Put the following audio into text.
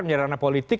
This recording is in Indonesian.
menjadi ranah politik